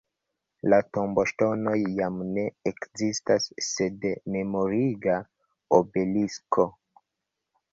La tomboŝtonoj jam ne ekzistas sed memoriga obelisko.